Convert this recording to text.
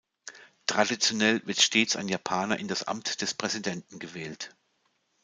Traditionell wird stets ein Japaner in das Amt des Präsidenten gewählt.